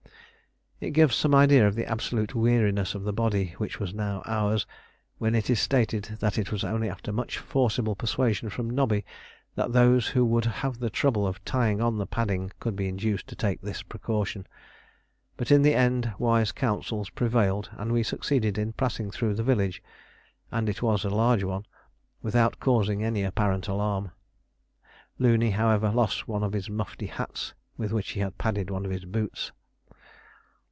It gives some idea of the absolute weariness of body which now was ours, when it is stated that it was only after much forcible persuasion from Nobby that those who would have the trouble of tying on the padding could be induced to take this precaution. But in the end wise counsels prevailed, and we succeeded in passing through the village and it was a large one without causing any apparent alarm. Looney, however, lost one of his mufti hats with which he had padded one of his boots.